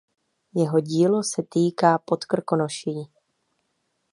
Jeho dílo se týká Podkrkonoší.